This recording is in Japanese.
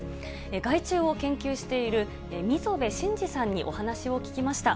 害虫を研究している溝部信二さんにお話を聞きました。